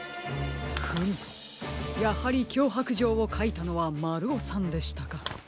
フムやはりきょうはくじょうをかいたのはまるおさんでしたか。